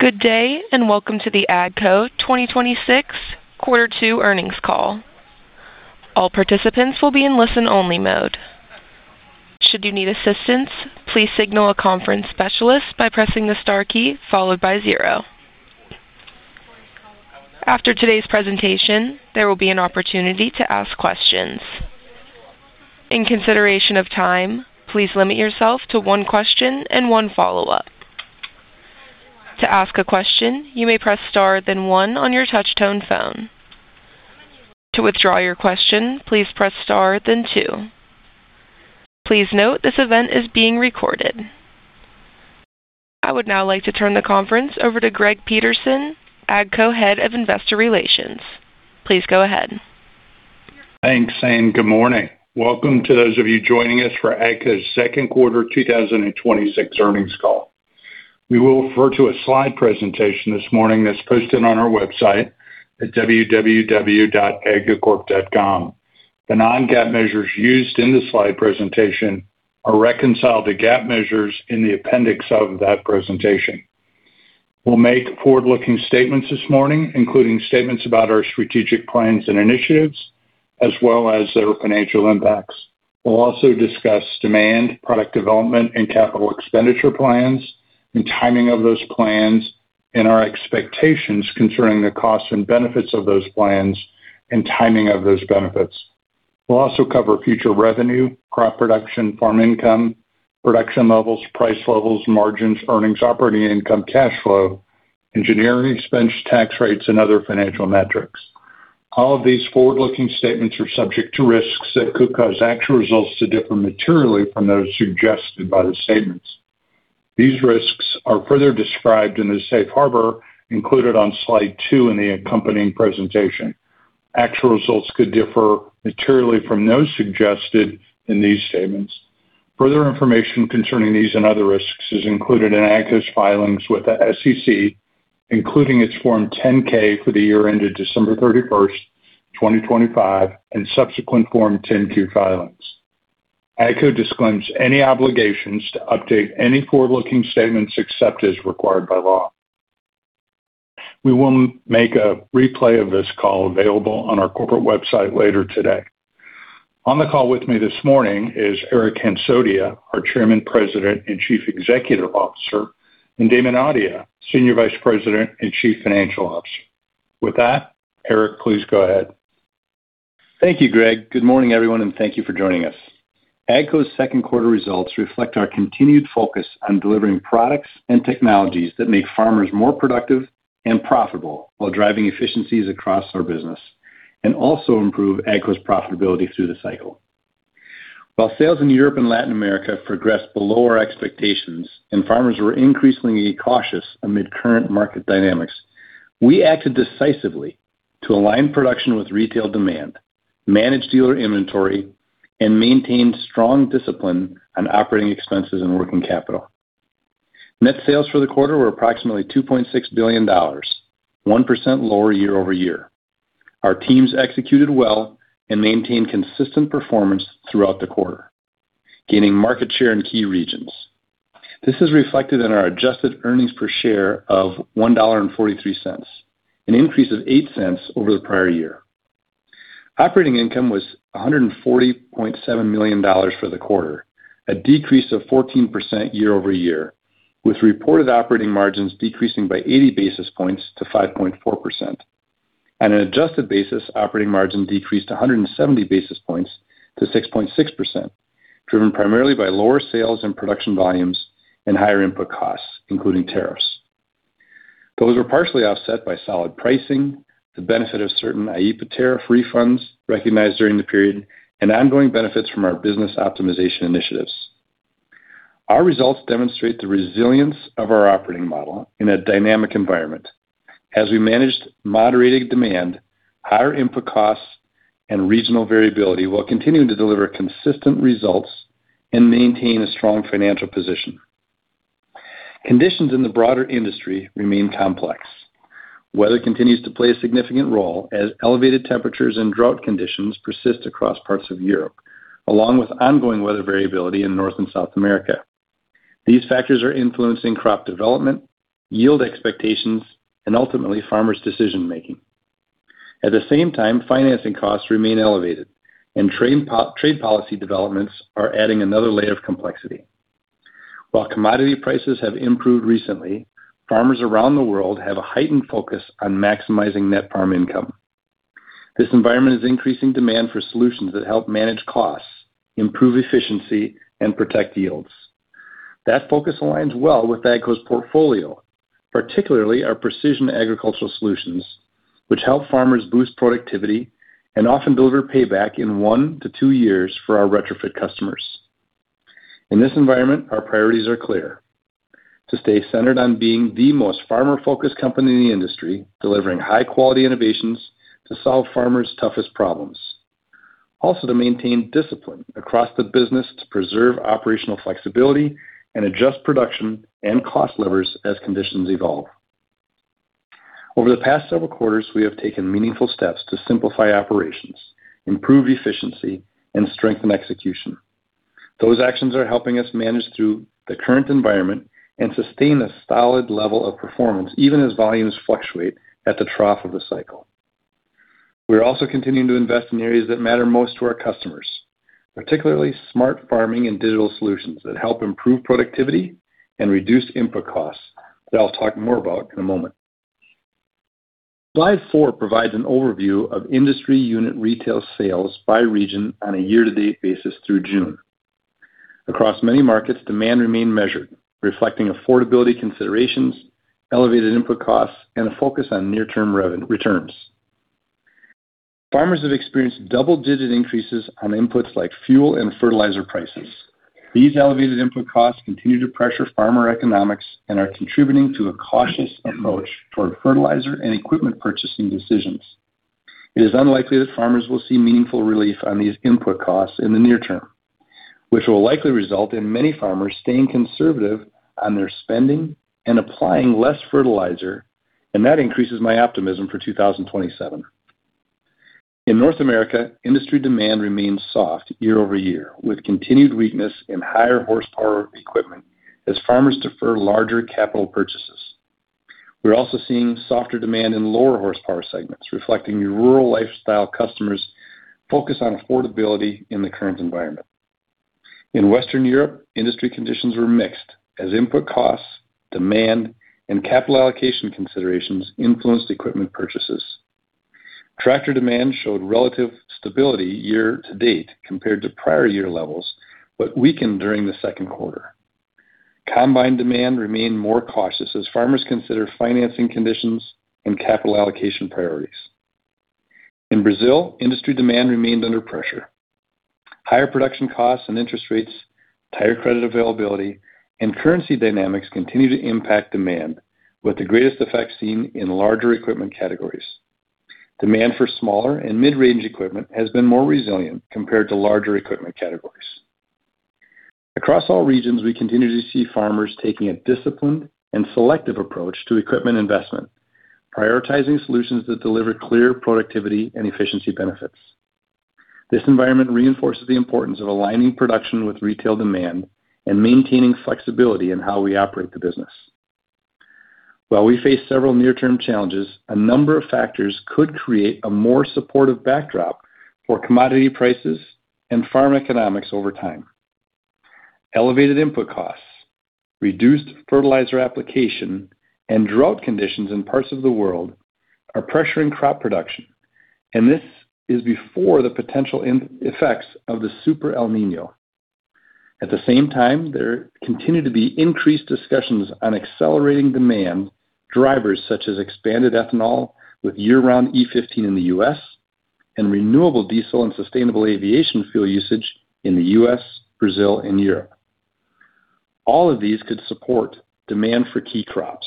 Good day, and welcome to the AGCO 2026 quarter two earnings call. All participants will be in listen-only mode. Should you need assistance, please signal a conference specialist by pressing the star key followed by zero. After today's presentation, there will be an opportunity to ask questions. In consideration of time, please limit yourself to one question and one follow-up. To ask a question, you may press star then one on your touch tone phone. To withdraw your question, please press star then two. Please note this event is being recorded. I would now like to turn the conference over to Greg Peterson, AGCO Head of Investor Relations. Please go ahead. Thanks. Good morning. Welcome to those of you joining us for AGCO's second quarter 2026 earnings call. We will refer to a slide presentation this morning that's posted on our website at www.agcocorp.com. The non-GAAP measures used in the slide presentation are reconciled to GAAP measures in the appendix of that presentation. We'll make forward-looking statements this morning, including statements about our strategic plans and initiatives, as well as their financial impacts. We'll also discuss demand, product development, and capital expenditure plans, and timing of those plans, and our expectations concerning the costs and benefits of those plans and timing of those benefits. We'll also cover future revenue, crop production, farm income, production levels, price levels, margins, earnings, operating income, cash flow, engineering expense, tax rates, and other financial metrics. All of these forward-looking statements are subject to risks that could cause actual results to differ materially from those suggested by the statements. These risks are further described in the safe harbor included on slide two in the accompanying presentation. Actual results could differ materially from those suggested in these statements. Further information concerning these and other risks is included in AGCO's filings with the SEC, including its Form 10-K for the year ended December 31st, 2025, and subsequent Form 10-Q filings. AGCO disclaims any obligations to update any forward-looking statements except as required by law. We will make a replay of this call available on our corporate website later today. On the call with me this morning is Eric Hansotia, our Chairman, President, and Chief Executive Officer, and Damon Audia, Senior Vice President and Chief Financial Officer. With that, Eric, please go ahead. Thank you, Greg. Good morning, everyone. Thank you for joining us. AGCO's second quarter results reflect our continued focus on delivering products and technologies that make farmers more productive and profitable while driving efficiencies across our business, and also improve AGCO's profitability through the cycle. While sales in Europe and Latin America progressed below our expectations and farmers were increasingly cautious amid current market dynamics, we acted decisively to align production with retail demand, manage dealer inventory, and maintain strong discipline on operating expenses and working capital. Net sales for the quarter were approximately $2.6 billion, 1% lower year-over-year. Our teams executed well and maintained consistent performance throughout the quarter, gaining market share in key regions. This is reflected in our adjusted earnings per share of $1.43, an increase of $0.08 over the prior year. Operating income was $140.7 million for the quarter, a decrease of 14% year-over-year, with reported operating margins decreasing by 80 basis points to 5.4%. On an adjusted basis, operating margin decreased 170 basis points to 6.6%, driven primarily by lower sales and production volumes and higher input costs, including tariffs. Those were partially offset by solid pricing, the benefit of certain IEEPA tariff refunds recognized during the period, and ongoing benefits from our business optimization initiatives. Our results demonstrate the resilience of our operating model in a dynamic environment as we managed moderating demand, higher input costs, and regional variability while continuing to deliver consistent results and maintain a strong financial position. Conditions in the broader industry remain complex. Weather continues to play a significant role as elevated temperatures and drought conditions persist across parts of Europe, along with ongoing weather variability in North and South America. These factors are influencing crop development, yield expectations, and ultimately farmers' decision-making. At the same time, financing costs remain elevated and trade policy developments are adding another layer of complexity. While commodity prices have improved recently, farmers around the world have a heightened focus on maximizing net farm income. This environment is increasing demand for solutions that help manage costs, improve efficiency, and protect yields. That focus aligns well with AGCO's portfolio, particularly our precision agricultural solutions, which help farmers boost productivity and often deliver payback in one to two years for our retrofit customers. In this environment, our priorities are clear: to stay centered on being the most farmer-focused company in the industry, delivering high-quality innovations to solve farmers' toughest problems. Also, to maintain discipline across the business to preserve operational flexibility and adjust production and cost levers as conditions evolve. Over the past several quarters, we have taken meaningful steps to simplify operations, improve efficiency, and strengthen execution. Those actions are helping us manage through the current environment and sustain a solid level of performance, even as volumes fluctuate at the trough of the cycle. We're also continuing to invest in areas that matter most to our customers, particularly smart farming and digital solutions that help improve productivity and reduce input costs, that I'll talk more about in a moment. Slide four provides an overview of industry unit retail sales by region on a year-to-date basis through June. Across many markets, demand remained measured, reflecting affordability considerations, elevated input costs, and a focus on near-term revenue returns. Farmers have experienced double-digit increases on inputs like fuel and fertilizer prices. These elevated input costs continue to pressure farmer economics and are contributing to a cautious approach toward fertilizer and equipment purchasing decisions. It is unlikely that farmers will see meaningful relief on these input costs in the near term, which will likely result in many farmers staying conservative on their spending and applying less fertilizer, and that increases my optimism for 2027. In North America, industry demand remains soft year-over-year, with continued weakness in higher horsepower equipment as farmers defer larger capital purchases. We're also seeing softer demand in lower horsepower segments, reflecting rural lifestyle customers focused on affordability in the current environment. In Western Europe, industry conditions were mixed as input costs, demand, and capital allocation considerations influenced equipment purchases. Tractor demand showed relative stability year-to-date compared to prior year levels, but weakened during the second quarter. Combine demand remained more cautious as farmers consider financing conditions and capital allocation priorities. In Brazil, industry demand remained under pressure. Higher production costs and interest rates, tighter credit availability, and currency dynamics continue to impact demand with the greatest effect seen in larger equipment categories. Demand for smaller and mid-range equipment has been more resilient compared to larger equipment categories. Across all regions, we continue to see farmers taking a disciplined and selective approach to equipment investment, prioritizing solutions that deliver clear productivity and efficiency benefits. This environment reinforces the importance of aligning production with retail demand and maintaining flexibility in how we operate the business. While we face several near-term challenges, a number of factors could create a more supportive backdrop for commodity prices and farm economics over time. Elevated input costs, reduced fertilizer application, and drought conditions in parts of the world are pressuring crop production, this is before the potential effects of the Super El Niño. At the same time, there continue to be increased discussions on accelerating demand drivers such as expanded ethanol with year-round E15 in the U.S. and renewable diesel and sustainable aviation fuel usage in the U.S., Brazil, and Europe. All of these could support demand for key crops.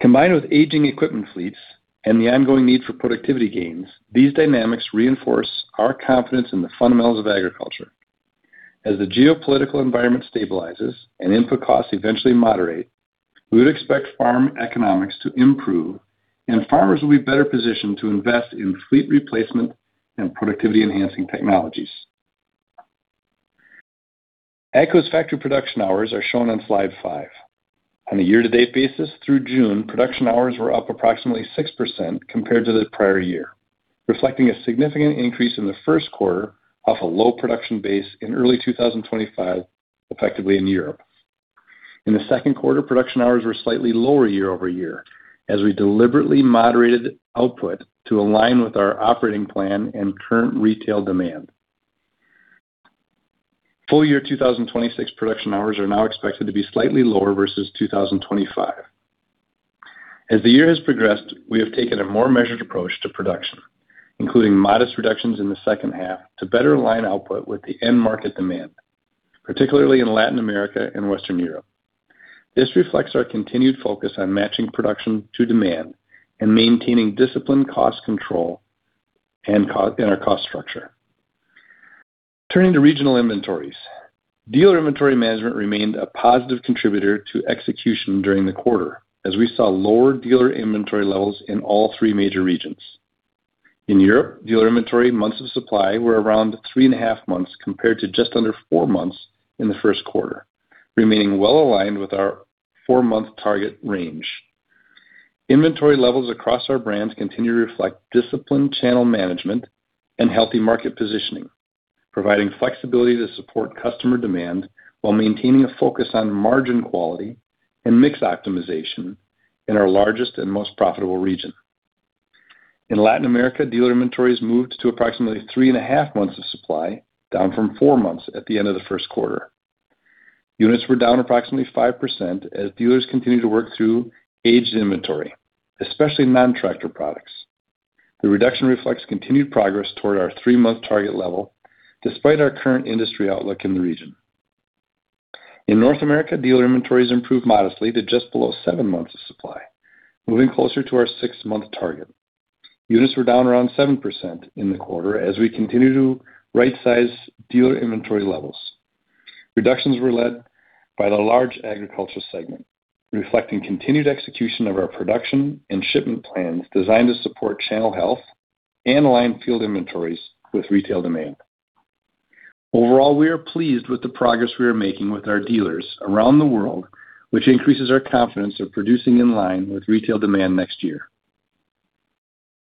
Combined with aging equipment fleets and the ongoing need for productivity gains, these dynamics reinforce our confidence in the fundamentals of agriculture. As the geopolitical environment stabilizes and input costs eventually moderate, we would expect farm economics to improve, and farmers will be better positioned to invest in fleet replacement and productivity-enhancing technologies. AGCO's factory production hours are shown on slide five. On a year-to-date basis through June, production hours were up approximately 6% compared to the prior year, reflecting a significant increase in the first quarter off a low production base in early 2025, effectively in Europe. In the second quarter, production hours were slightly lower year-over-year as we deliberately moderated output to align with our operating plan and current retail demand. Full-year 2026 production hours are now expected to be slightly lower versus 2025. As the year has progressed, we have taken a more measured approach to production, including modest reductions in the second half to better align output with the end market demand, particularly in Latin America and Western Europe. This reflects our continued focus on matching production to demand and maintaining disciplined cost control in our cost structure. Turning to regional inventories. Dealer inventory management remained a positive contributor to execution during the quarter as we saw lower dealer inventory levels in all three major regions. In Europe, dealer inventory months of supply were around three and a half months compared to just under four months in the first quarter, remaining well aligned with our four-month target range. Inventory levels across our brands continue to reflect disciplined channel management and healthy market positioning, providing flexibility to support customer demand while maintaining a focus on margin quality and mix optimization in our largest and most profitable region. In Latin America, dealer inventories moved to approximately three and a half months of supply, down from four months at the end of the first quarter. Units were down approximately 5% as dealers continued to work through aged inventory, especially non-tractor products. The reduction reflects continued progress toward our three month target level despite our current industry outlook in the region. In North America, dealer inventories improved modestly to just below seven months of supply, moving closer to our six month target. Units were down around 7% in the quarter as we continue to rightsize dealer inventory levels. Reductions were led by the large agriculture segment, reflecting continued execution of our production and shipment plans designed to support channel health and align field inventories with retail demand. Overall, we are pleased with the progress we are making with our dealers around the world, which increases our confidence of producing in line with retail demand next year.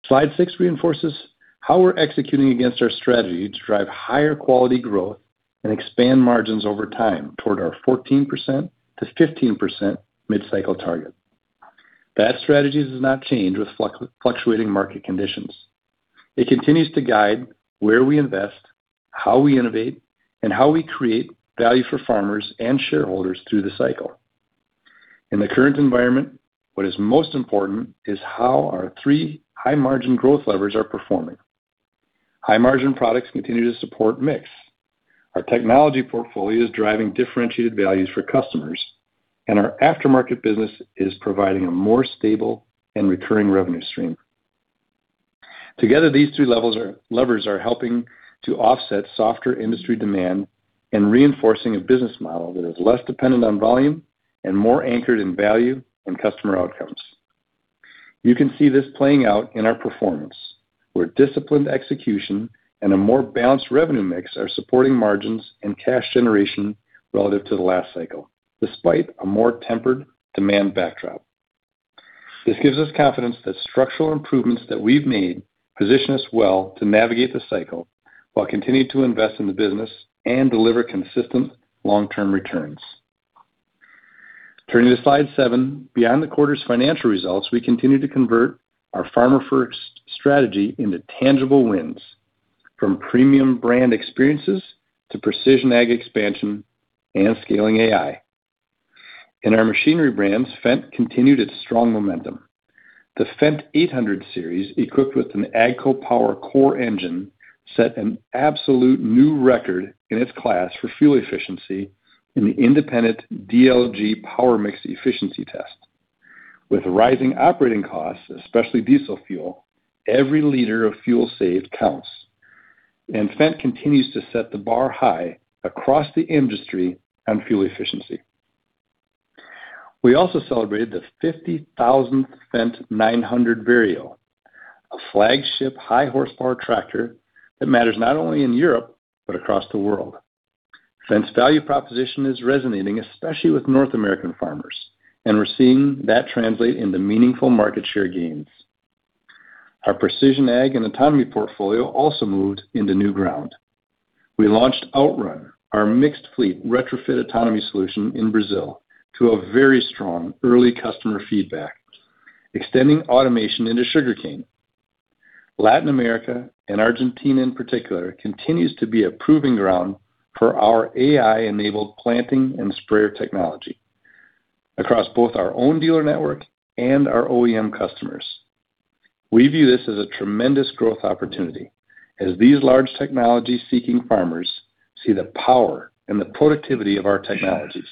Slide six reinforces how we're executing against our strategy to drive higher quality growth and expand margins over time toward our 14%-15% mid-cycle target. That strategy has not changed with fluctuating market conditions. It continues to guide where we invest, how we innovate, and how we create value for farmers and shareholders through the cycle. In the current environment, what is most important is how our three high-margin growth levers are performing. High-margin products continue to support mix. Our technology portfolio is driving differentiated values for customers, and our aftermarket business is providing a more stable and recurring revenue stream. Together, these three levers are helping to offset softer industry demand and reinforcing a business model that is less dependent on volume and more anchored in value and customer outcomes. You can see this playing out in our performance, where disciplined execution and a more balanced revenue mix are supporting margins and cash generation relative to the last cycle, despite a more tempered demand backdrop. This gives us confidence that structural improvements that we've made position us well to navigate the cycle while continuing to invest in the business and deliver consistent long-term returns. Turning to slide seven. Beyond the quarter's financial results, we continue to convert our Farmer-First strategy into tangible wins, from premium brand experiences to precision ag expansion and scaling AI. In our machinery brands, Fendt continued its strong momentum. The Fendt 800 series, equipped with an AGCO Power CORE75, set an absolute new record in its class for fuel efficiency in the independent DLG PowerMix efficiency test. With rising operating costs, especially diesel fuel, every liter of fuel saved counts, and Fendt continues to set the bar high across the industry on fuel efficiency. We also celebrated the 50,000th Fendt 900 Vario, a flagship high-horsepower tractor that matters not only in Europe but across the world. Fendt's value proposition is resonating, especially with North American farmers, we're seeing that translate into meaningful market share gains. Our precision ag and autonomy portfolio also moved into new ground. We launched OutRun, our mixed fleet retrofit autonomy solution in Brazil, to a very strong early customer feedback, extending automation into sugarcane. Latin America, and Argentina in particular, continues to be a proving ground for our AI-enabled planting and sprayer technology across both our own dealer network and our OEM customers. We view this as a tremendous growth opportunity as these large technology-seeking farmers see the power and the productivity of our technologies.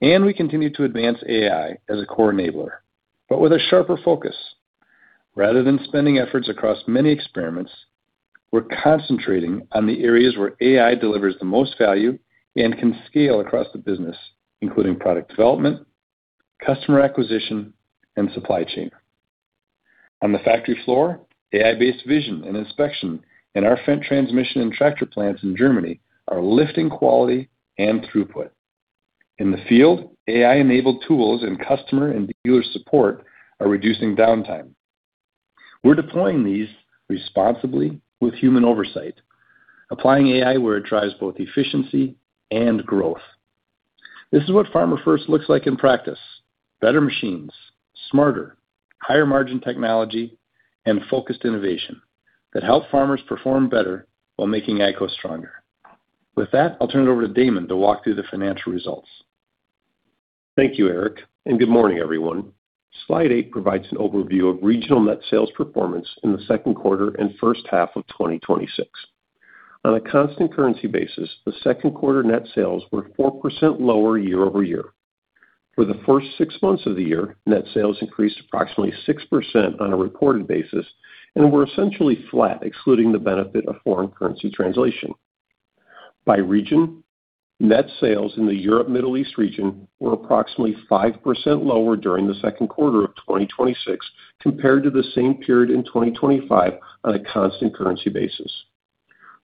We continue to advance AI as a core enabler, but with a sharper focus. Rather than spending efforts across many experiments, we're concentrating on the areas where AI delivers the most value and can scale across the business, including product development, customer acquisition, and supply chain. On the factory floor, AI-based vision and inspection in our Fendt transmission and tractor plants in Germany are lifting quality and throughput. In the field, AI-enabled tools in customer and dealer support are reducing downtime. We're deploying these responsibly with human oversight, applying AI where it drives both efficiency and growth. This is what Farmer-First looks like in practice. Better machines, smarter, higher-margin technology, and focused innovation that help farmers perform better while making AGCO stronger. With that, I'll turn it over to Damon to walk through the financial results. Thank you, Eric, and good morning, everyone. Slide eight provides an overview of regional net sales performance in the second quarter and first half of 2026. On a constant currency basis, the second quarter net sales were 4% lower year-over-year. For the first six months of the year, net sales increased approximately 6% on a reported basis and were essentially flat, excluding the benefit of foreign currency translation. By region, net sales in the Europe Middle East region were approximately 5% lower during the second quarter of 2026 compared to the same period in 2025 on a constant currency basis.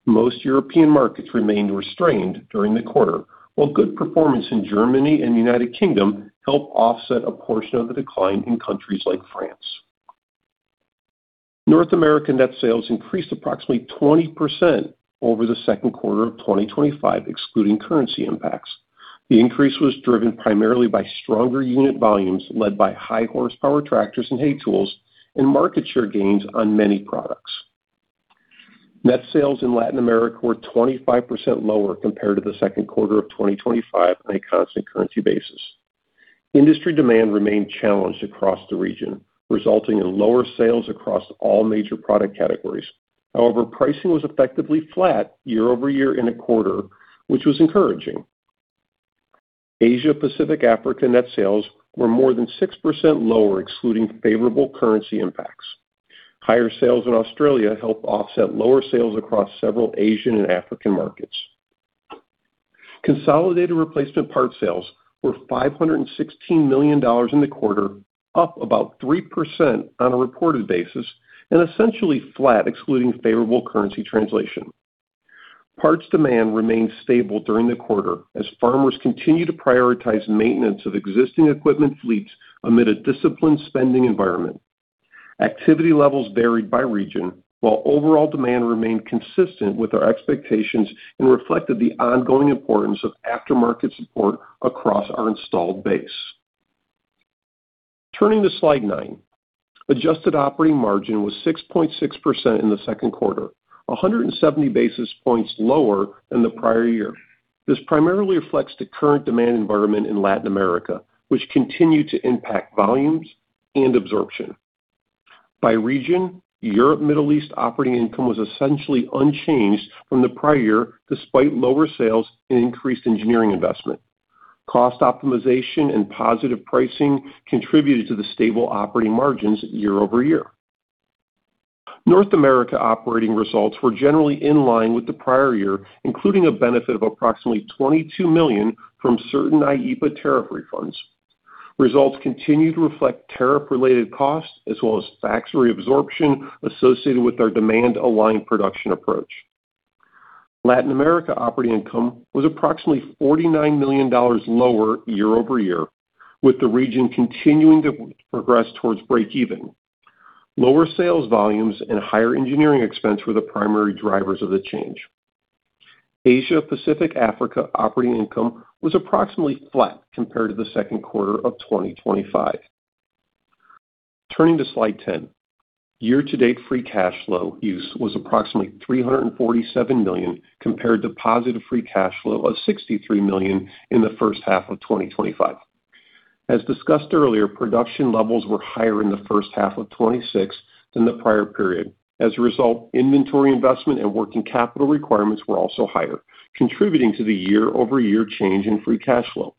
Most European markets remained restrained during the quarter, while good performance in Germany and the U.K. helped offset a portion of the decline in countries like France. North American net sales increased approximately 20% over the second quarter of 2025, excluding currency impacts. The increase was driven primarily by stronger unit volumes led by high-horsepower tractors and Hay tools and market share gains on many products. Net sales in Latin America were 25% lower compared to the second quarter of 2025 on a constant currency basis. Industry demand remained challenged across the region, resulting in lower sales across all major product categories. However, pricing was effectively flat year-over-year in a quarter, which was encouraging. Asia-Pacific-Africa net sales were more than 6% lower, excluding favorable currency impacts. Higher sales in Australia helped offset lower sales across several Asian and African markets. Consolidated replacement parts sales were $516 million in the quarter, up about 3% on a reported basis and essentially flat excluding favorable currency translation. Parts demand remained stable during the quarter as farmers continue to prioritize maintenance of existing equipment fleets amid a disciplined spending environment. Activity levels varied by region, while overall demand remained consistent with our expectations and reflected the ongoing importance of aftermarket support across our installed base. Turning to slide nine. Adjusted operating margin was 6.6% in the second quarter, 170 basis points lower than the prior year. This primarily reflects the current demand environment in Latin America, which continued to impact volumes and absorption. By region, Europe Middle East operating income was essentially unchanged from the prior year despite lower sales and increased engineering investment. Cost optimization and positive pricing contributed to the stable operating margins year-over-year. North America operating results were generally in line with the prior year, including a benefit of approximately $22 million from certain IEEPA tariff refunds. Results continue to reflect tariff-related costs as well as factory absorption associated with our demand-aligned production approach. Latin America operating income was approximately $49 million lower year-over-year, with the region continuing to progress towards breakeven. Lower sales volumes and higher engineering expense were the primary drivers of the change. Asia-Pacific Africa operating income was approximately flat compared to the second quarter of 2025. Turning to Slide 10. Year-to-date free cash flow use was approximately $347 million compared to positive free cash flow of $63 million in the first half of 2025. As discussed earlier, production levels were higher in the first half of 2026 than the prior period. As a result, inventory investment and working capital requirements were also higher, contributing to the year-over-year change in free cash flow.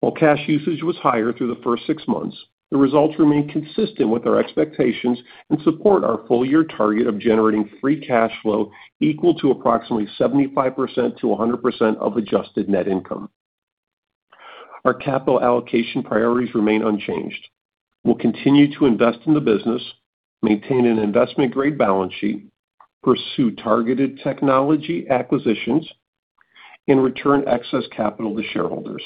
While cash usage was higher through the first six months, the results remain consistent with our expectations and support our full-year target of generating free cash flow equal to approximately 75%-100% of adjusted net income. Our capital allocation priorities remain unchanged. We'll continue to invest in the business, maintain an investment-grade balance sheet, pursue targeted technology acquisitions, and return excess capital to shareholders.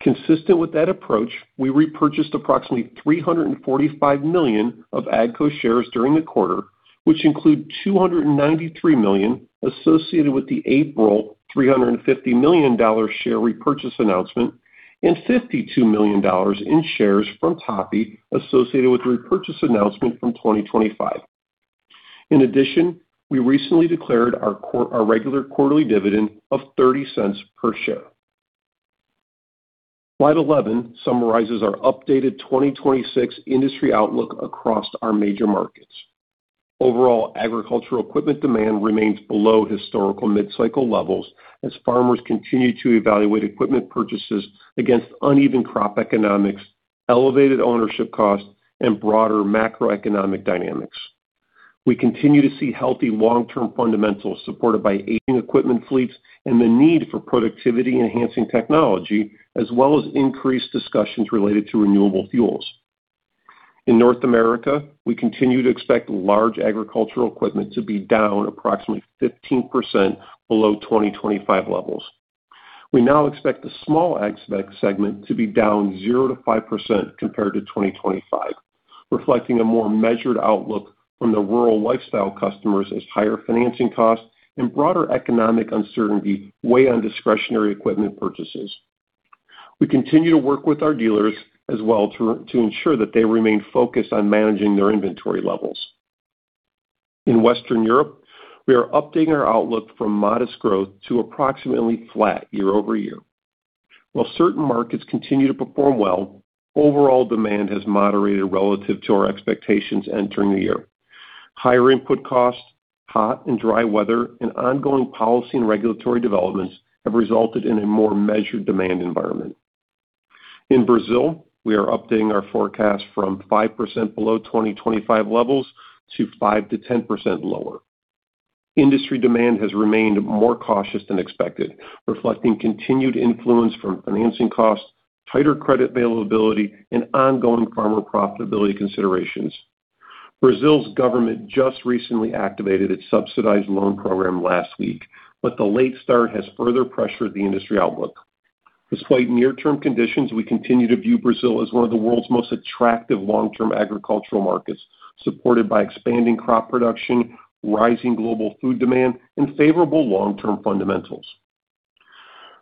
Consistent with that approach, we repurchased approximately $345 million of AGCO shares during the quarter, which include $293 million associated with the April $350 million share repurchase announcement and $52 million in shares from TOPI associated with the repurchase announcement from 2025. In addition, we recently declared our regular quarterly dividend of $0.30 per share. Slide 11 summarizes our updated 2026 industry outlook across our major markets. Overall, agricultural equipment demand remains below historical mid-cycle levels as farmers continue to evaluate equipment purchases against uneven crop economics, elevated ownership costs, and broader macroeconomic dynamics. We continue to see healthy long-term fundamentals supported by aging equipment fleets and the need for productivity-enhancing technology as well as increased discussions related to renewable fuels. In North America, we continue to expect large agricultural equipment to be down approximately 15% below 2025 levels. We now expect the small ag spec segment to be down 0%-5% compared to 2025, reflecting a more measured outlook from the rural lifestyle customers as higher financing costs and broader economic uncertainty weigh on discretionary equipment purchases. We continue to work with our dealers as well to ensure that they remain focused on managing their inventory levels. In Western Europe, we are updating our outlook from modest growth to approximately flat year-over-year. While certain markets continue to perform well, overall demand has moderated relative to our expectations entering the year. Higher input costs, hot and dry weather, and ongoing policy and regulatory developments have resulted in a more measured demand environment. In Brazil, we are updating our forecast from 5% below 2025 levels to 5%-10% lower. Industry demand has remained more cautious than expected, reflecting continued influence from financing costs, tighter credit availability, and ongoing farmer profitability considerations. Brazil's government just recently activated its subsidized loan program last week, but the late start has further pressured the industry outlook. Despite near-term conditions, we continue to view Brazil as one of the world's most attractive long-term agricultural markets, supported by expanding crop production, rising global food demand, and favorable long-term fundamentals.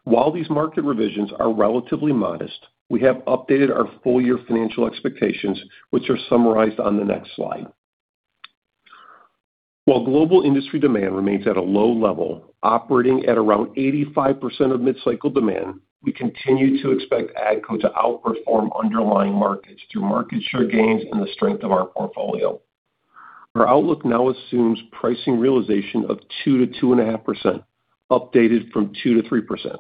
While these market revisions are relatively modest, we have updated our full-year financial expectations, which are summarized on the next slide. While global industry demand remains at a low level, operating at around 85% of mid-cycle demand, we continue to expect AGCO to outperform underlying markets through market share gains and the strength of our portfolio. Our outlook now assumes pricing realization of 2%-2.5%, updated from 2%-3%.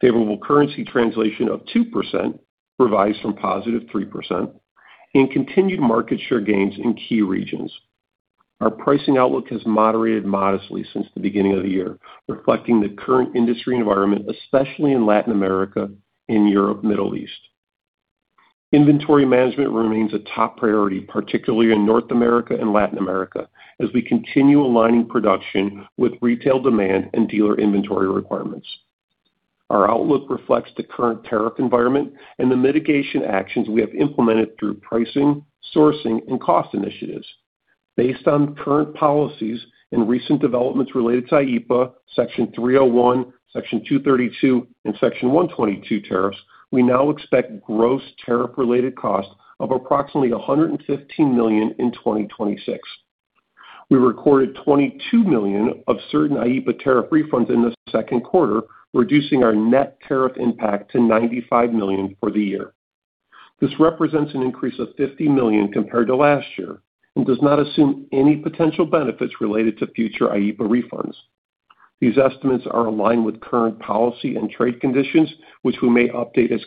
Favorable currency translation of 2%, revised from positive 3%, and continued market share gains in key regions. Our pricing outlook has moderated modestly since the beginning of the year, reflecting the current industry environment, especially in Latin America and Europe, Middle East. Inventory management remains a top priority, particularly in North America and Latin America, as we continue aligning production with retail demand and dealer inventory requirements. Our outlook reflects the current tariff environment and the mitigation actions we have implemented through pricing, sourcing, and cost initiatives. Based on current policies and recent developments related to IEEPA, Section 301, Section 232, and Section 122 tariffs, we now expect gross tariff-related costs of approximately $115 million in 2026. We recorded $22 million of certain IEEPA tariff refunds in the second quarter, reducing our net tariff impact to $95 million for the year. This represents an increase of $50 million compared to last year and does not assume any potential benefits related to future IEEPA refunds. These estimates are aligned with current policy and trade conditions, which we may update as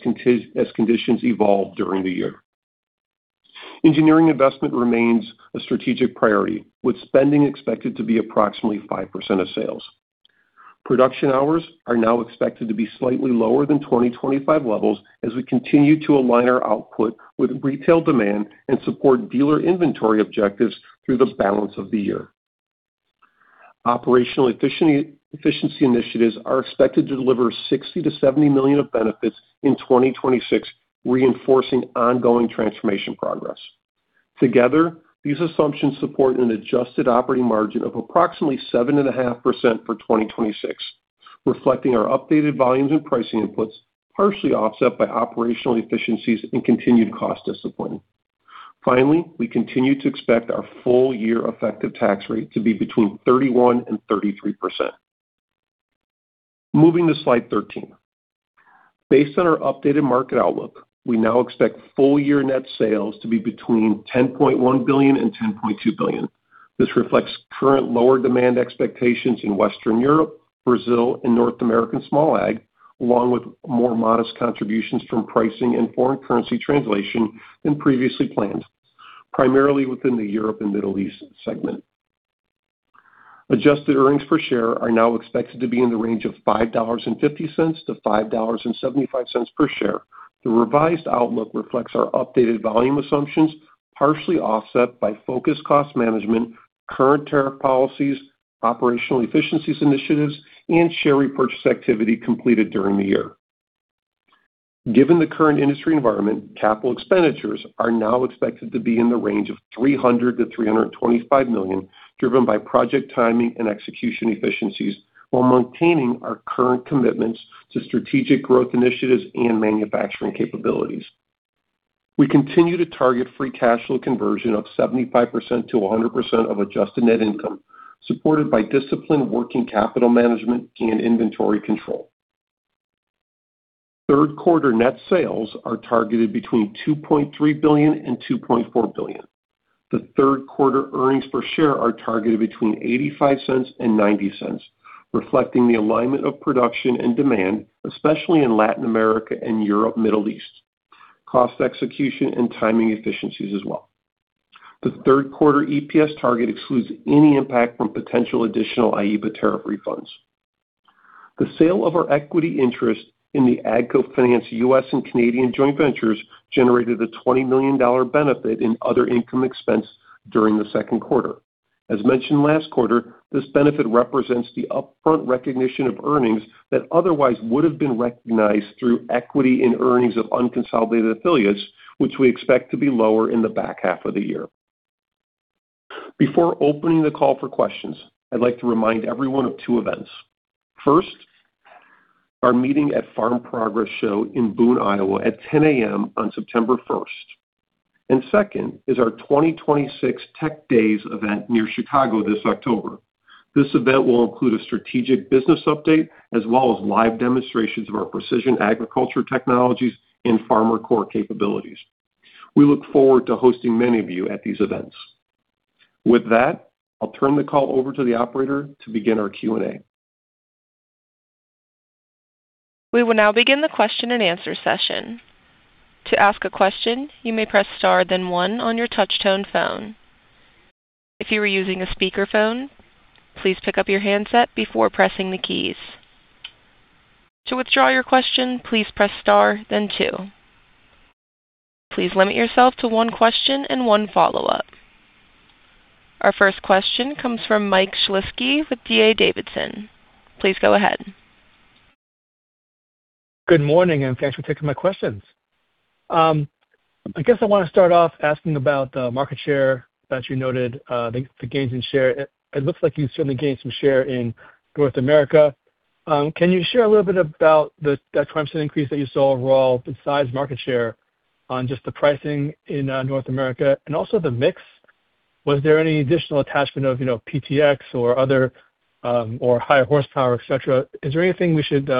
conditions evolve during the year. Engineering investment remains a strategic priority, with spending expected to be approximately 5% of sales. Production hours are now expected to be slightly lower than 2025 levels as we continue to align our output with retail demand and support dealer inventory objectives through the balance of the year. Operational efficiency initiatives are expected to deliver $60 million-$70 million of benefits in 2026, reinforcing ongoing transformation progress. Together, these assumptions support an adjusted operating margin of approximately 7.5% for 2026, reflecting our updated volumes and pricing inputs, partially offset by operational efficiencies and continued cost discipline. We continue to expect our full-year effective tax rate to be between 31% and 33%. Moving to slide 13. Based on our updated market outlook, we now expect full-year net sales to be between $10.1 billion and $10.2 billion. This reflects current lower demand expectations in Western Europe, Brazil, and North American small ag, along with more modest contributions from pricing and foreign currency translation than previously planned, primarily within the Europe and Middle East segment. Adjusted earnings per share are now expected to be in the range of $5.50-$5.75 per share. The revised outlook reflects our updated volume assumptions, partially offset by focused cost management, current tariff policies, operational efficiencies initiatives, and share repurchase activity completed during the year. Given the current industry environment, capital expenditures are now expected to be in the range of $300 million-$325 million, driven by project timing and execution efficiencies while maintaining our current commitments to strategic growth initiatives and manufacturing capabilities. We continue to target free cash flow conversion of 75%-100% of adjusted net income, supported by disciplined working capital management and inventory control. Third quarter net sales are targeted between $2.3 billion and $2.4 billion. The third quarter earnings per share are targeted between $0.85 and $0.90, reflecting the alignment of production and demand, especially in Latin America and Europe, Middle East. Cost execution and timing efficiencies as well. The third quarter EPS target excludes any impact from potential additional IEEPA tariff refunds. The sale of our equity interest in the AGCO Finance U.S. and Canadian joint ventures generated a $20 million benefit in other income expense during the second quarter. As mentioned last quarter, this benefit represents the upfront recognition of earnings that otherwise would have been recognized through equity in earnings of unconsolidated affiliates, which we expect to be lower in the back half of the year. Before opening the call for questions, I'd like to remind everyone of two events. First, our meeting at Farm Progress Show in Boone, Iowa, at 10:00 A.M. on September 1st. Second is our 2026 Tech Day event near Chicago this October. This event will include a strategic business update as well as live demonstrations of our precision agriculture technologies and FarmerCore capabilities. We look forward to hosting many of you at these events. With that, I'll turn the call over to the operator to begin our Q&A. We will now begin the question and answer session. To ask a question, you may press star then one on your touch tone phone. If you are using a speakerphone, please pick up your handset before pressing the keys. To withdraw your question, please press star then two. Please limit yourself to one question and one follow-up. Our first question comes from Mike Shlisky with D.A. Davidson. Please go ahead. Good morning, thanks for taking my questions. I guess I want to start off asking about the market share that you noted, the gains in share. It looks like you certainly gained some share in North America. Can you share a little bit about that percentage increase that you saw overall besides market share on just the pricing in North America and also the mix? Was there any additional attachment of PTx or higher horsepower, et cetera? Is there anything we should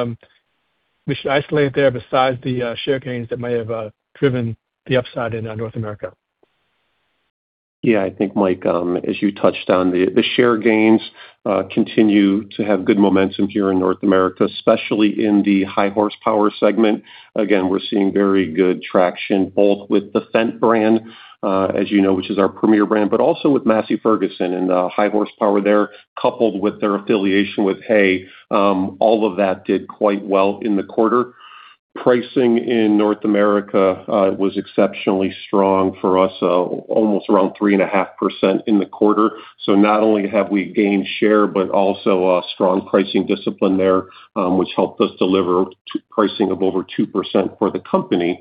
isolate it there besides the share gains that may have driven the upside in North America. I think, Mike, as you touched on, the share gains continue to have good momentum here in North America, especially in the high horsepower segment. Again, we're seeing very good traction both with the Fendt brand, as you know, which is our premier brand, but also with Massey Ferguson and the high horsepower there, coupled with their affiliation with Hay. All of that did quite well in the quarter. Pricing in North America was exceptionally strong for us, almost around 3.5% in the quarter. Not only have we gained share, but also a strong pricing discipline there, which helped us deliver pricing of over 2% for the company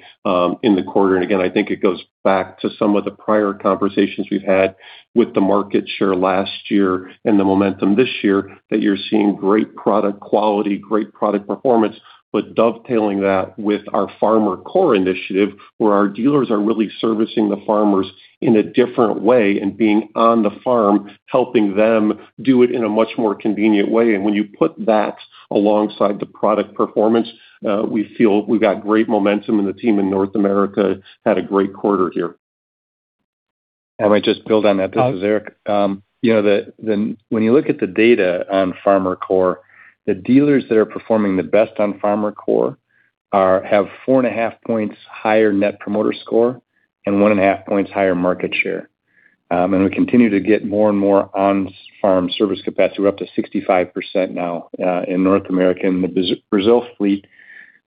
in the quarter. Again, I think it goes back to some of the prior conversations we've had with the market share last year and the momentum this year, that you're seeing great product quality, great product performance, but dovetailing that with our FarmerCore initiative, where our dealers are really servicing the farmers in a different way and being on the farm, helping them do it in a much more convenient way. When you put that alongside the product performance, we feel we've got great momentum and the team in North America had a great quarter here. I might just build on that. This is Eric. When you look at the data on FarmerCore, the dealers that are performing the best on FarmerCore have four and a half points higher net promoter score and one and a half points higher market share. We continue to get more and more on-farm service capacity. We're up to 65% now in North America, and the Brazil fleet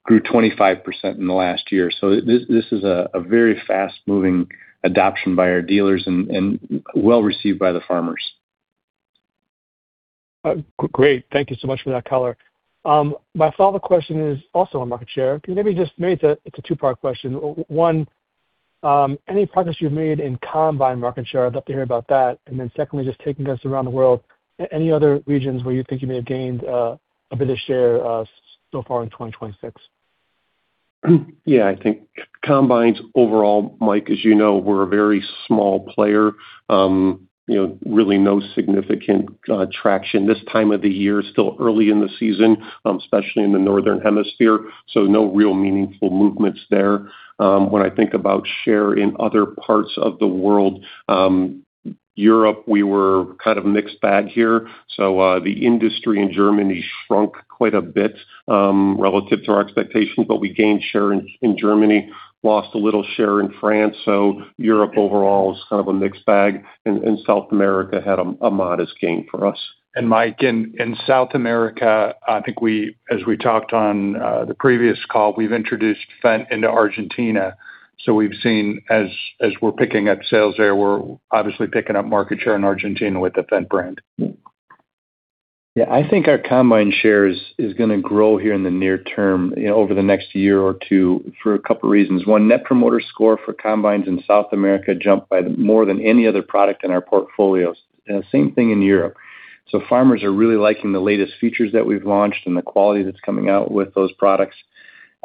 grew 25% in the last year. This is a very fast-moving adoption by our dealers and well-received by the farmers. Great. Thank you so much for that color. My follow-up question is also on market share. Can you maybe just It's a two-part question. One, any progress you've made in combine market share, I'd love to hear about that. Then secondly, just taking us around the world, any other regions where you think you may have gained a bit of share so far in 2026? Yeah, I think combines overall, Mike, as you know, we're a very small player. Really no significant traction this time of the year, still early in the season, especially in the northern hemisphere. No real meaningful movements there. When I think about share in other parts of the world, Europe, we were kind of a mixed bag here. The industry in Germany shrunk quite a bit relative to our expectations. We gained share in Germany, lost a little share in France. Europe overall is kind of a mixed bag, and South America had a modest gain for us. Mike, in South America, I think as we talked on the previous call, we've introduced Fendt into Argentina. We've seen as we're picking up sales there, we're obviously picking up market share in Argentina with the Fendt brand. Yeah, I think our combine share is going to grow here in the near term over the next year or two for a couple of reasons. 1. Net promoter score for combines in South America jumped by more than any other product in our portfolio. Same thing in Europe. Farmers are really liking the latest features that we've launched and the quality that's coming out with those products.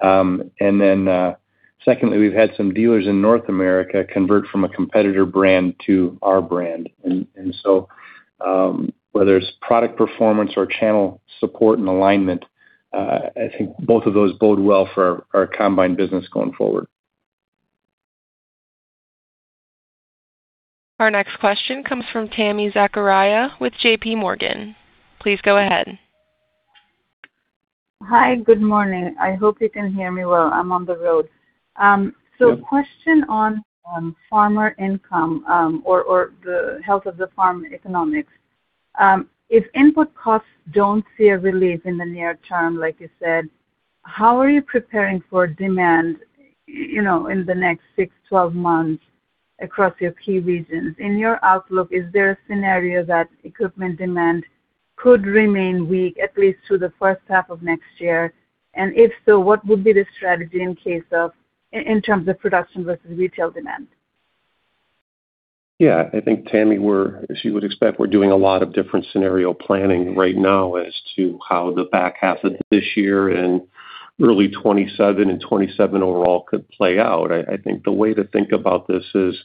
Secondly, we've had some dealers in North America convert from a competitor brand to our brand. Whether it's product performance or channel support and alignment, I think both of those bode well for our combine business going forward. Our next question comes from Tami Zakaria with JPMorgan. Please go ahead. Hi. Good morning. I hope you can hear me well. I'm on the road. Yeah. Question on farmer income or the health of the farm economics. If input costs don't see a relief in the near term, like you said, how are you preparing for demand in the next six, 12 months across your key regions? In your outlook, is there a scenario that equipment demand could remain weak, at least through the first half of next year? If so, what would be the strategy in terms of production versus retail demand? Yeah, I think, Tami, as you would expect, we're doing a lot of different scenario planning right now as to how the back half of this year and early 2027 and 2027 overall could play out. I think the way to think about this is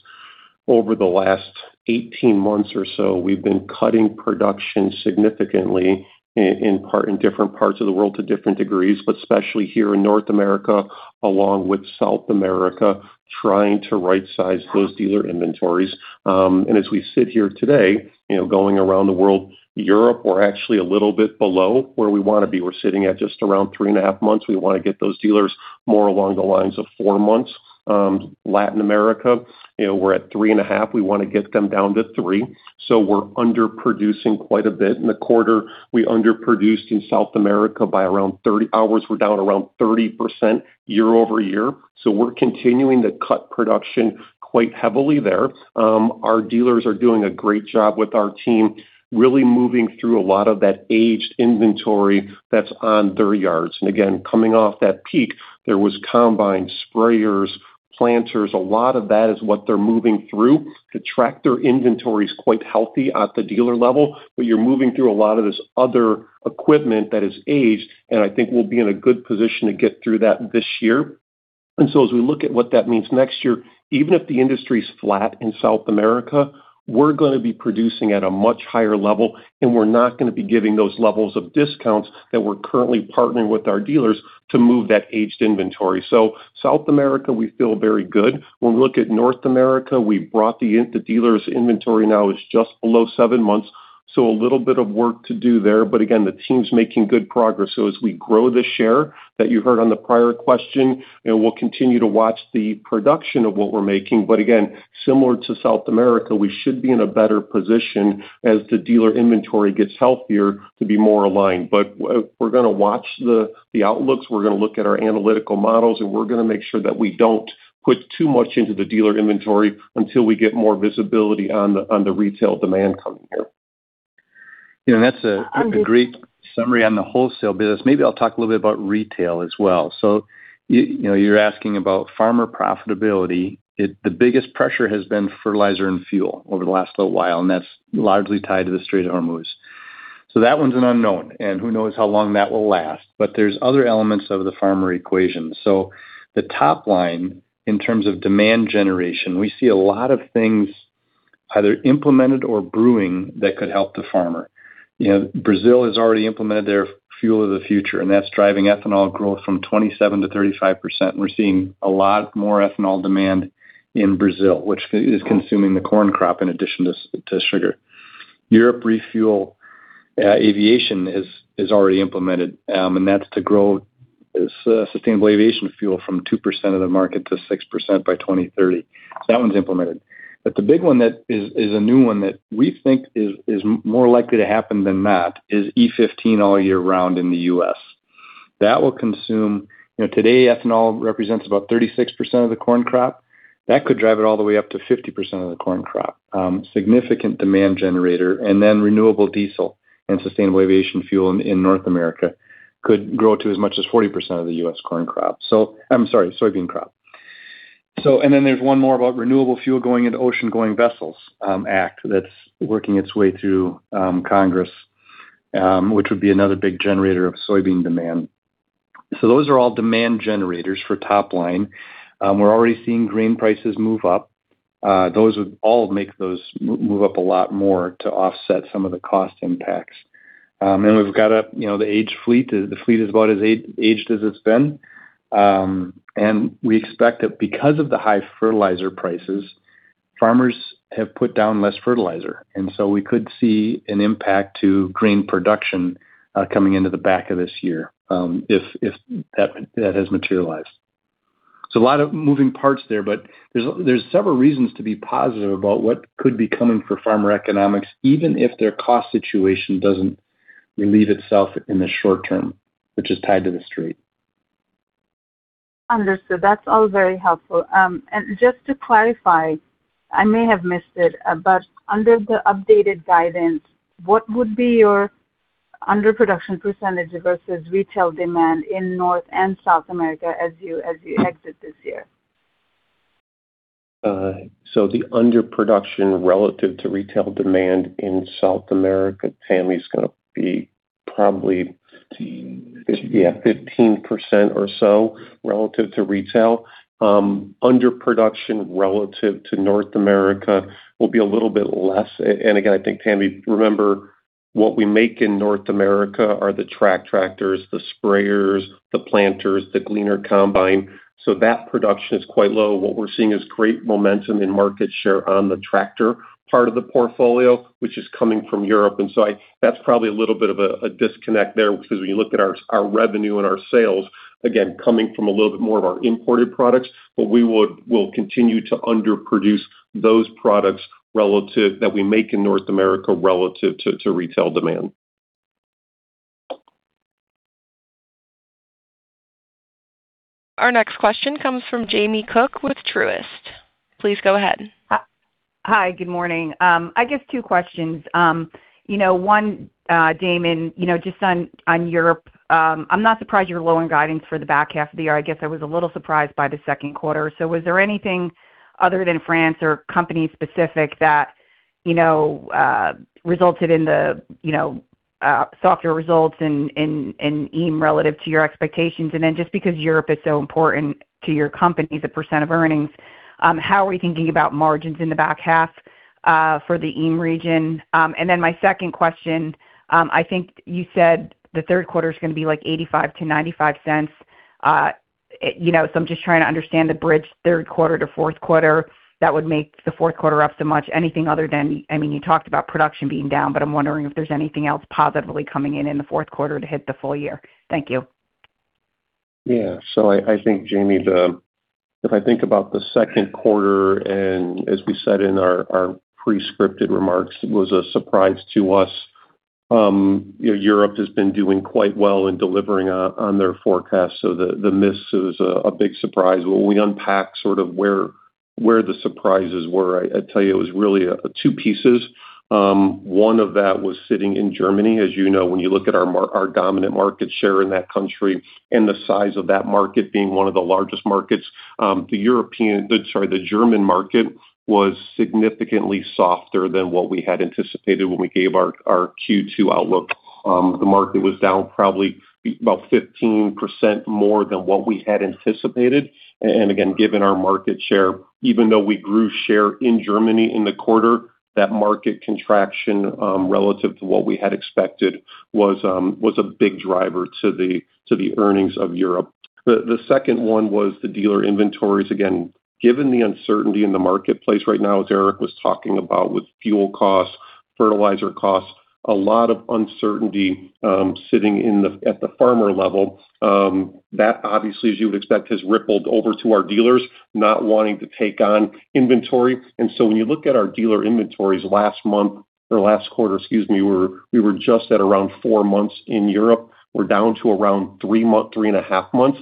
over the last 18 months or so, we've been cutting production significantly in different parts of the world to different degrees, but especially here in North America along with South America, trying to rightsize those dealer inventories. As we sit here today, going around the world, Europe, we're actually a little bit below where we want to be. We're sitting at just around three and a half months. We want to get those dealers more along the lines of four months. Latin America, we're at three and a half. We want to get them down to three. We're underproducing quite a bit. In the quarter, we underproduced in South America by around 30 hours. We're down around 30% year-over-year. We're continuing to cut production quite heavily there. Our dealers are doing a great job with our team, really moving through a lot of that aged inventory that's on their yards. Again, coming off that peak, there was combine sprayers, planters. A lot of that is what they're moving through. The tractor inventory is quite healthy at the dealer level, but you're moving through a lot of this other equipment that is aged, and I think we'll be in a good position to get through that this year. As we look at what that means next year, even if the industry's flat in South America, we're going to be producing at a much higher level, and we're not going to be giving those levels of discounts that we're currently partnering with our dealers to move that aged inventory. South America, we feel very good. When we look at North America, we brought the dealer's inventory now is just below seven months, a little bit of work to do there. Again, the team's making good progress. As we grow the share that you heard on the prior question, we'll continue to watch the production of what we're making. Again, similar to South America, we should be in a better position as the dealer inventory gets healthier to be more aligned. We're going to watch the outlooks, we're going to look at our analytical models, and we're going to make sure that we don't put too much into the dealer inventory until we get more visibility on the retail demand coming here. That's a great summary on the wholesale business. Maybe I'll talk a little bit about retail as well. You're asking about farmer profitability. The biggest pressure has been fertilizer and fuel over the last little while, and that's largely tied to the Strait of Hormuz. That one's an unknown, and who knows how long that will last. There's other elements of the farmer equation. The top line, in terms of demand generation, we see a lot of things either implemented or brewing that could help the farmer. Brazil has already implemented their fuel of the future, and that's driving ethanol growth from 27% to 35%. We're seeing a lot more ethanol demand in Brazil, which is consuming the corn crop in addition to sugar. Europe refuel aviation is already implemented, and that's to grow sustainable aviation fuel from 2% of the market to 6% by 2030. That one's implemented. The big one that is a new one that we think is more likely to happen than that is E15 all year round in the U.S. That will consume today, ethanol represents about 36% of the corn crop. That could drive it all the way up to 50% of the corn crop. Significant demand generator. Renewable diesel and sustainable aviation fuel in North America could grow to as much as 40% of the U.S. corn crop. I'm sorry, soybean crop. There's one more about Renewable Fuel going into Ocean-Going Vessels Act that's working its way through Congress, which would be another big generator of soybean demand. Those are all demand generators for top line. We're already seeing grain prices move up. Those would all make those move up a lot more to offset some of the cost impacts. We've got the age fleet. The fleet is about as aged as it's been. We expect that because of the high fertilizer prices, farmers have put down less fertilizer, we could see an impact to grain production coming into the back of this year if that has materialized. A lot of moving parts there, but there's several reasons to be positive about what could be coming for farmer economics, even if their cost situation doesn't relieve itself in the short term, which is tied to the strain. Understood. That's all very helpful. Just to clarify, I may have missed it, but under the updated guidance, what would be your underproduction percentage versus retail demand in North and South America as you exit this year? The underproduction relative to retail demand in South America, Tami, is going to be probably. 15% yeah, 15% or so relative to retail. Underproduction relative to North America will be a little bit less. Again, I think, Tami, remember, what we make in North America are the track tractors, the sprayers, the planters, the Gleaner combine. That production is quite low. What we're seeing is great momentum in market share on the tractor part of the portfolio, which is coming from Europe. That's probably a little bit of a disconnect there, because when you look at our revenue and our sales, again, coming from a little bit more of our imported products, but we'll continue to underproduce those products that we make in North America relative to retail demand. Our next question comes from Jamie Cook with Truist. Please go ahead. Hi. Good morning. I guess two questions. One, Damon, just on Europe. I'm not surprised you're low in guidance for the back half of the year. I guess I was a little surprised by the second quarter. Was there anything other than France or company specific that resulted in the softer results in EAME relative to your expectations? Just because Europe is so important to your company as a percent of earnings, how are we thinking about margins in the back half for the EAME region? My second question, I think you said the third quarter is going to be $0.85-$0.95. I'm just trying to understand the bridge third quarter to fourth quarter that would make the fourth quarter up so much. Anything other than, you talked about production being down, I'm wondering if there's anything else positively coming in in the fourth quarter to hit the full-year. Thank you. I think, Jamie, if I think about the second quarter, as we said in our pre-scripted remarks, it was a surprise to us. Europe has been doing quite well in delivering on their forecast. The miss is a big surprise. When we unpack sort of where the surprises were, I tell you, it was really two pieces. One of that was sitting in Germany. As you know, when you look at our dominant market share in that country and the size of that market being one of the largest markets. The German market was significantly softer than what we had anticipated when we gave our Q2 outlook. The market was down probably about 15% more than what we had anticipated. Given our market share, even though we grew share in Germany in the quarter, that market contraction, relative to what we had expected was a big driver to the earnings of Europe. The second one was the dealer inventories. Given the uncertainty in the marketplace right now, as Eric was talking about with fuel costs, fertilizer costs, a lot of uncertainty sitting at the farmer level. That obviously, as you would expect has rippled over to our dealers not wanting to take on inventory. When you look at our dealer inventories last month or last quarter, excuse me, we were just at around four months in Europe. We're down to around three and a half months.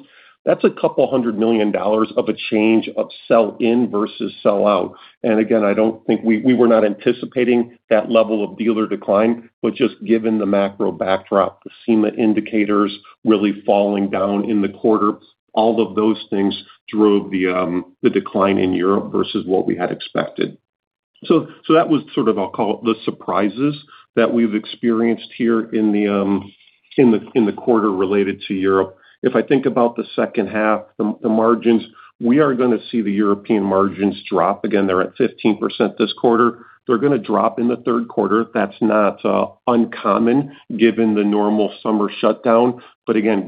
That's a $200 million of a change of sell in versus sell out. We were not anticipating that level of dealer decline, but just given the macro backdrop, the SEMA indicators really falling down in the quarter. All of those things drove the decline in Europe versus what we had expected. That was sort of, I'll call it the surprises that we've experienced here in the quarter related to Europe. If I think about the second half, the margins, we are going to see the European margins drop again. They're at 15% this quarter. They're going to drop in the third quarter. That's not uncommon given the normal summer shutdown.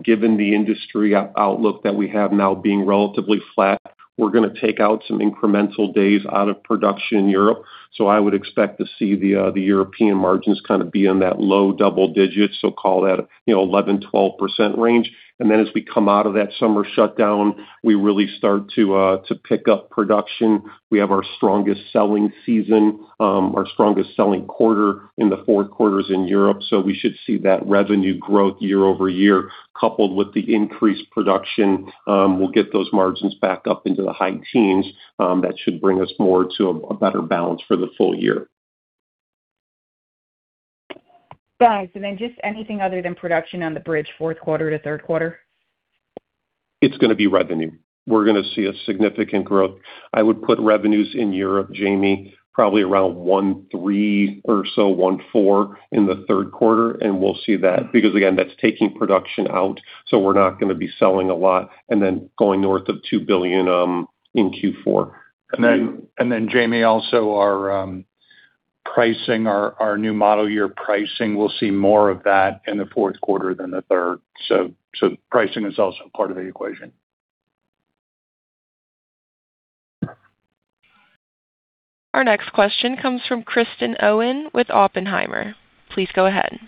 Given the industry outlook that we have now being relatively flat, we're going to take out some incremental days out of production in Europe. I would expect to see the European margins kind of be in that low double digits. Call that 11%-12% range. As we come out of that summer shutdown, we really start to pick up production. We have our strongest selling season, our strongest selling quarter in the fourth quarters in Europe. We should see that revenue growth year-over-year, coupled with the increased production. We'll get those margins back up into the high teens. That should bring us more to a better balance for the full-year. Guys, just anything other than production on the bridge, fourth quarter to third quarter? It's going to be revenue. We're going to see a significant growth. I would put revenues in Europe, Jamie, probably around $1.3 billion or so, $1.4 billion in the third quarter, and we'll see that. Again, that's taking production out, so we're not going to be selling a lot. Then going north of $2 billion in Q4. Then Jamie also our new model year pricing, we'll see more of that in the fourth quarter than the third. Pricing is also part of the equation. Our next question comes from Kristen Owen with Oppenheimer. Please go ahead.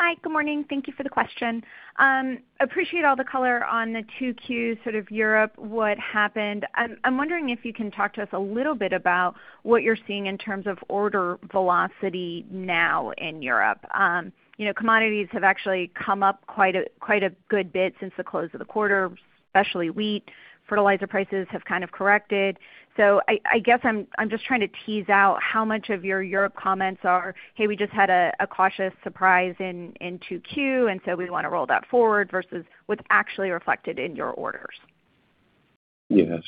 Hi. Good morning. Thank you for the question. Appreciate all the color on the 2Q sort of Europe, what happened. I'm wondering if you can talk to us a little bit about what you're seeing in terms of order velocity now in Europe. Commodities have actually come up quite a good bit since the close of the quarter, especially wheat. Fertilizer prices have kind of corrected. I guess I'm just trying to tease out how much of your Europe comments are, "Hey, we just had a cautious surprise in 2Q, and we want to roll that forward," versus what's actually reflected in your orders. Yeah.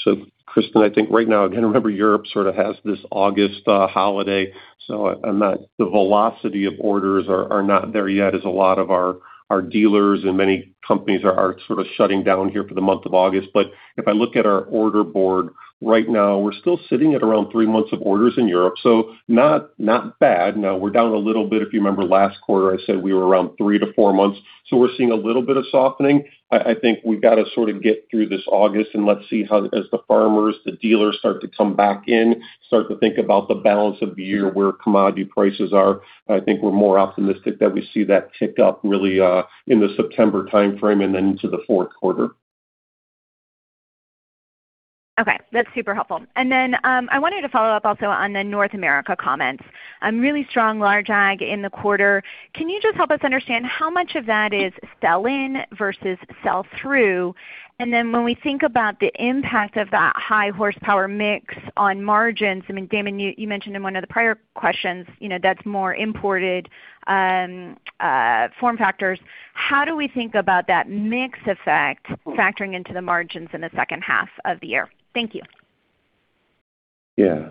Kristen, I think right now, again, remember Europe sort of has this August holiday, the velocity of orders are not there yet as a lot of our dealers and many companies are sort of shutting down here for the month of August. If I look at our order board right now, we're still sitting at around three months of orders in Europe. Not bad. Now we're down a little bit. If you remember last quarter, I said we were around three to four months. We're seeing a little bit of softening. I think we've got to sort of get through this August and let's see how as the farmers, the dealers start to come back in, start to think about the balance of the year where commodity prices are. I think we're more optimistic that we see that tick up really in the September timeframe and then into the fourth quarter. Okay. That's super helpful. I wanted to follow up also on the North America comments. Really strong large ag in the quarter. Can you just help us understand how much of that is sell-in versus sell through? When we think about the impact of that high horsepower mix on margins, I mean, Damon, you mentioned in one of the prior questions that's more imported form factors. How do we think about that mix effect factoring into the margins in the second half of the year? Thank you. Yeah.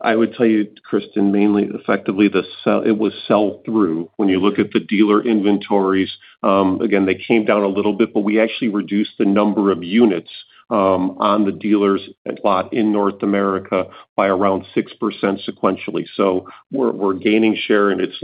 I would tell you, Kristen, mainly effectively it was sell through when you look at the dealer inventories. Again, they came down a little bit, but we actually reduced the number of units on the dealers lot in North America by around 6% sequentially. We're gaining share and it's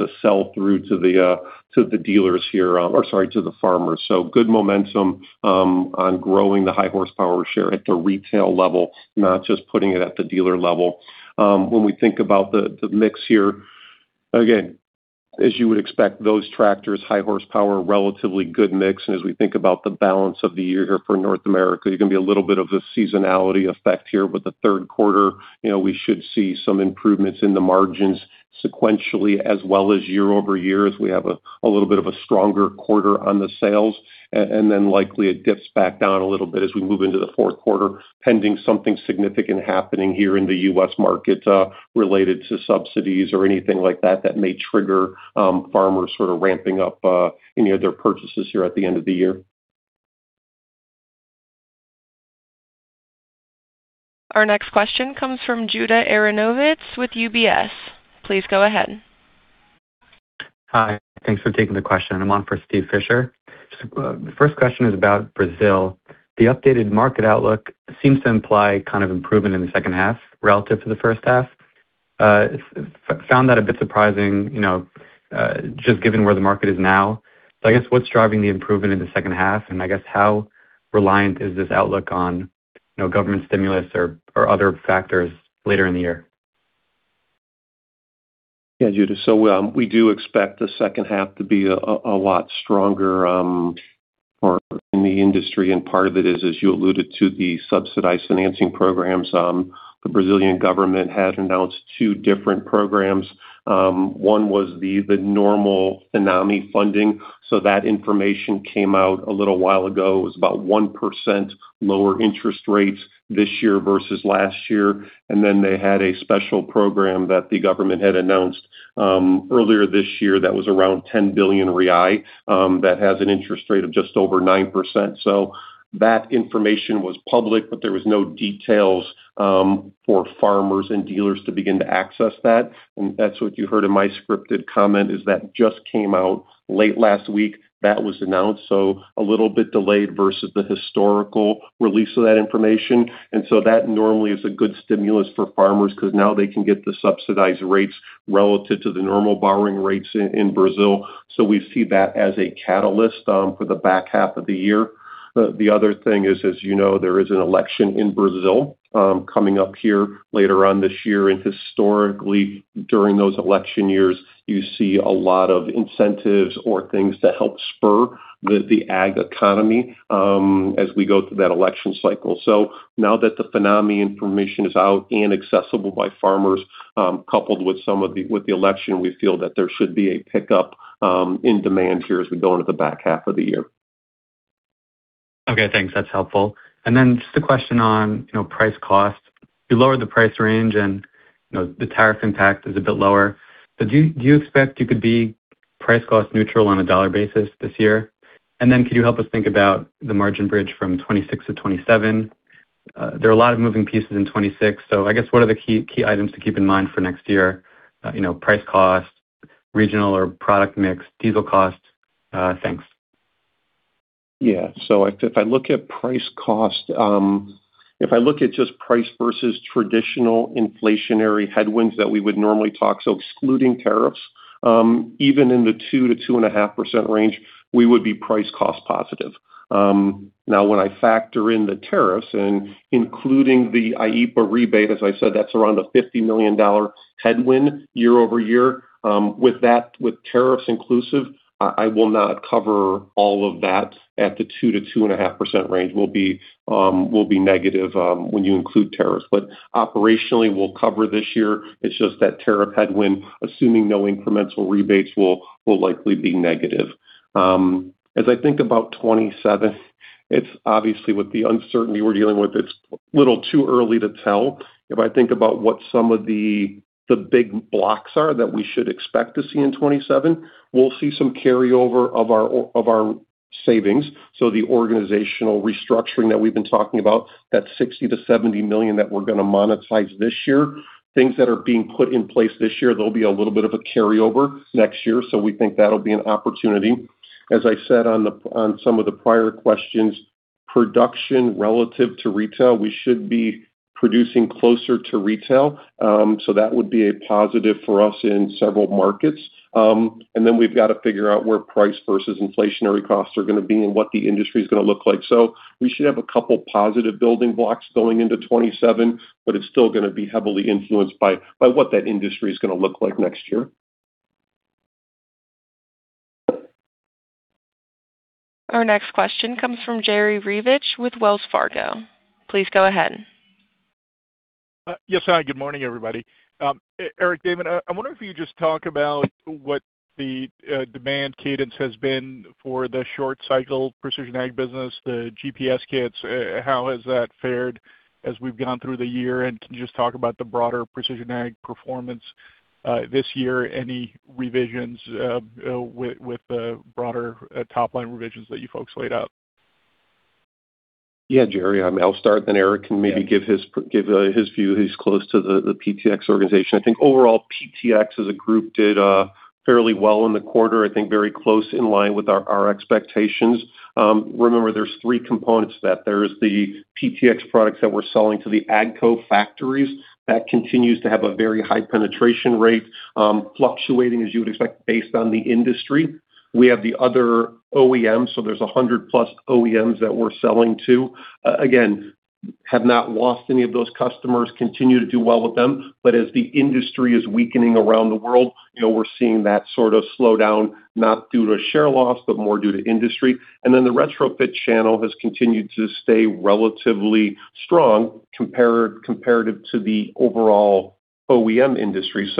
a sell through to the dealers here, or sorry, to the farmers. Good momentum on growing the high horsepower share at the retail level, not just putting it at the dealer level. When we think about the mix here, again, as you would expect, those tractors, high horsepower, relatively good mix. As we think about the balance of the year here for North America, you're going to be a little bit of the seasonality effect here. The third quarter, we should see some improvements in the margins sequentially as well as year-over-year as we have a little bit of a stronger quarter on the sales. Likely it dips back down a little bit as we move into the fourth quarter, pending something significant happening here in the U.S. market, related to subsidies or anything like that may trigger farmers sort of ramping up any of their purchases here at the end of the year. Our next question comes from Judah Aronowitz with UBS. Please go ahead. Hi. Thanks for taking the question. I'm on for Steven Fisher. Just the first question is about Brazil. The updated market outlook seems to imply kind of improvement in the second half, relative to the first half. Found that a bit surprising, just given where the market is now. I guess what's driving the improvement in the second half, and I guess how reliant is this outlook on government stimulus or other factors later in the year? Judah, we do expect the second half to be a lot stronger in the industry, and part of it is, as you alluded to, the subsidized financing programs. The Brazilian government had announced two different programs. One was the normal FINAME funding, that information came out a little while ago. It was about 1% lower interest rates this year versus last year. They had a special program that the government had announced earlier this year that was around 10 billion that has an interest rate of just over 9%. That information was public, but there was no details for farmers and dealers to begin to access that. That's what you heard in my scripted comment, is that just came out late last week. That was announced, a little bit delayed versus the historical release of that information. That normally is a good stimulus for farmers because now they can get the subsidized rates relative to the normal borrowing rates in Brazil. We see that as a catalyst for the back half of the year. The other thing is, as you know, there is an election in Brazil coming up here later on this year. Historically, during those election years, you see a lot of incentives or things that help spur the ag economy as we go through that election cycle. Now that the FINAME information is out and accessible by farmers, coupled with the election, we feel that there should be a pickup in demand here as we go into the back half of the year. Okay, thanks. That's helpful. Just a question on price cost. You lowered the price range and the tariff impact is a bit lower, do you expect you could be price cost neutral on a dollar basis this year? Could you help us think about the margin bridge from 2026 to 2027? There are a lot of moving pieces in 2026. I guess what are the key items to keep in mind for next year? Price cost, regional or product mix, diesel cost. Thanks. If I look at price cost, if I look at just price versus traditional inflationary headwinds that we would normally talk, excluding tariffs, even in the 2%-2.5% range, we would be price cost positive. When I factor in the tariffs and including the IEEPA rebate, as I said, that's around a $50 million headwind year-over-year. With that, with tariffs inclusive, I will not cover all of that at the 2%-2.5% range. We'll be negative when you include tariffs. Operationally, we'll cover this year. It's just that tariff headwind, assuming no incremental rebates, will likely be negative. As I think about 2027, it's obviously with the uncertainty we're dealing with, it's a little too early to tell. If I think about what some of the big blocks are that we should expect to see in 2027, we'll see some carryover of our savings. The organizational restructuring that we've been talking about, that $60 million-$70 million that we're going to monetize this year. Things that are being put in place this year, there'll be a little bit of a carryover next year. We think that'll be an opportunity. As I said on some of the prior questions, production relative to retail, we should be producing closer to retail. That would be a positive for us in several markets. We've got to figure out where price versus inflationary costs are going to be and what the industry's going to look like. We should have a couple positive building blocks going into 2027, but it's still going to be heavily influenced by what that industry is going to look like next year. Our next question comes from Jerry Revich with Wells Fargo. Please go ahead. Yes, hi. Good morning, everybody. Eric, Damon, I wonder if you could just talk about what the demand cadence has been for the short cycle precision ag business, the GPS kits. How has that fared as we've gone through the year? Can you just talk about the broader precision ag performance this year, any revisions with the broader top-line revisions that you folks laid out? Yeah, Jerry. I'll start. Eric can maybe give his view. He's close to the PTx organization. I think overall, PTx as a group did fairly well in the quarter. I think very close in line with our expectations. Remember, there's three components to that. There's the PTx products that we're selling to the AGCO factories. That continues to have a very high penetration rate, fluctuating as you would expect based on the industry. We have the other OEMs, so there's 100+ OEMs that we're selling to. Again, have not lost any of those customers, continue to do well with them. As the industry is weakening around the world, we're seeing that sort of slow down, not due to share loss, but more due to industry. The retrofit channel has continued to stay relatively strong comparative to the overall OEM industry.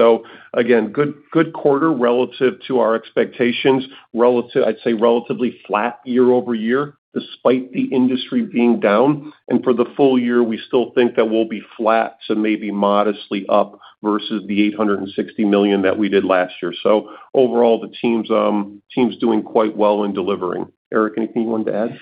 Again, good quarter relative to our expectations. I'd say relatively flat year-over-year, despite the industry being down. For the full-year, we still think that we'll be flat to maybe modestly up versus the $860 million that we did last year. Overall, the team's doing quite well in delivering. Eric, anything you wanted to add?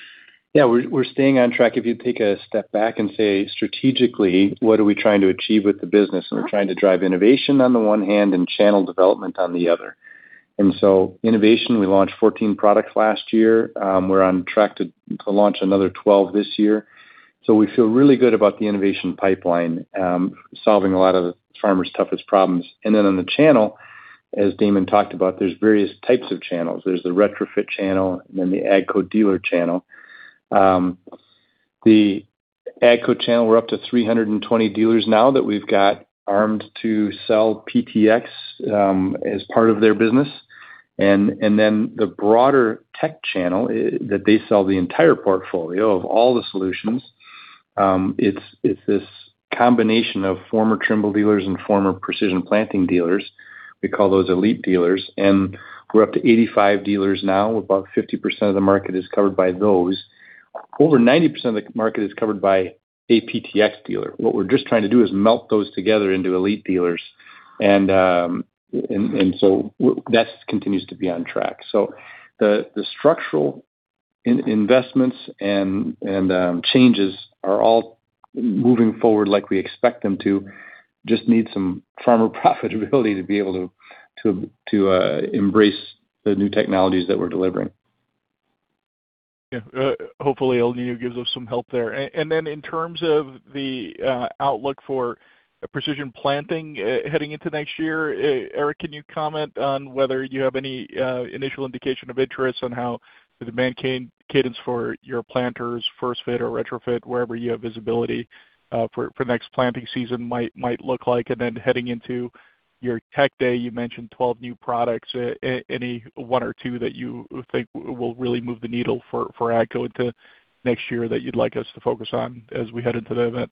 Yeah, we're staying on track. If you take a step back and say, strategically, what are we trying to achieve with the business? We're trying to drive innovation on the one hand and channel development on the other. Innovation, we launched 14 products last year. We're on track to launch another 12 this year. We feel really good about the innovation pipeline, solving a lot of farmers' toughest problems. On the channel, as Damon talked about, there's various types of channels. There's the retrofit channel and then the AGCO dealer channel. The AGCO channel, we're up to 320 dealers now that we've got armed to sell PTx as part of their business. The broader tech channel that they sell the entire portfolio of all the solutions. It's this combination of former Trimble dealers and former Precision Planting dealers. We call those elite dealers. We're up to 85 dealers now. About 50% of the market is covered by those. Over 90% of the market is covered by a PTx dealer. What we're just trying to do is melt those together into elite dealers. That continues to be on track. The structural investments and changes are all moving forward like we expect them to, just need some farmer profitability to be able to embrace the new technologies that we're delivering. Yeah. Hopefully, El Niño gives us some help there. In terms of the outlook for Precision Planting heading into next year, Eric, can you comment on whether you have any initial indication of interest on how the demand cadence for your planters, first fit or retrofit, wherever you have visibility, for next planting season might look like? Heading into your Tech Day, you mentioned 12 new products. Any one or two that you think will really move the needle for AGCO into next year that you'd like us to focus on as we head into the event?